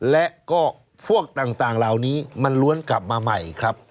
และก็พวกต่างเหล่านี้มันล้วนกลับมาใหม่ครับ